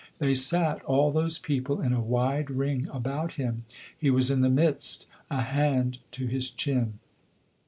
They sat, all those people, in a wide ring about him; he was in the midst, a hand to his chin.